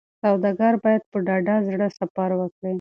سوداګر باید په ډاډه زړه سفر وکړي.